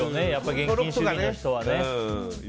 現金主義の人はね。